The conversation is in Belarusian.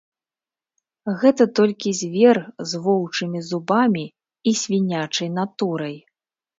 Гэта толькі звер з воўчымі зубамі і свінячай натурай.